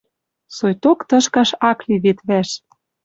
Сойток тышкаш ак ли вет вӓш.